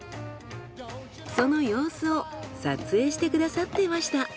その様子を撮影してくださっていました。